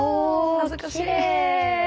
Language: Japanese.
恥ずかしい。